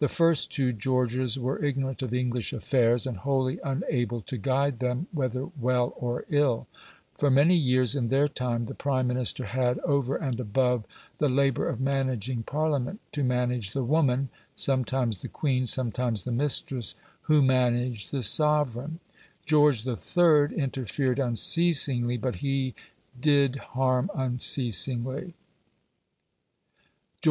The first two Georges were ignorant of English affairs, and wholly unable to guide them, whether well or ill; for many years in their time the Prime Minister had, over and above the labour of managing Parliament, to manage the woman sometimes the queen, sometimes the mistress who managed the sovereign; George III. interfered unceasingly, but he did harm unceasingly; George IV.